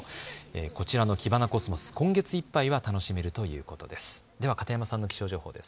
こちらキバナコスモス、今月いっぱいは楽しめるということです。